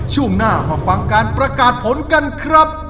ช่วงหน้ามาฟังการประกาศผลกันครับ